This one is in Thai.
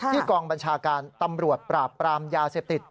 กองบัญชาการตำรวจปราบปรามยาเสพติด